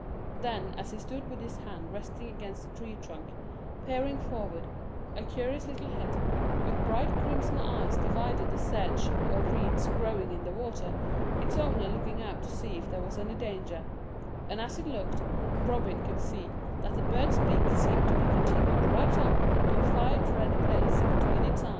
Then as he stood with his hand resting against a tree trunk, peering forward, a curious little head with bright crimson eyes divided the sedge or reeds growing in the water, its owner looking out to see if there was any danger; and as it looked, Robin could see that the bird's beak seemed to be continued right up into a fiat red plate between its eyes.